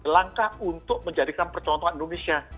langkah untuk menjadikan percontohan indonesia